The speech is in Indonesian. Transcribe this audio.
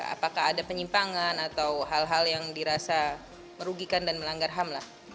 apakah ada penyimpangan atau hal hal yang dirasa merugikan dan melanggar ham lah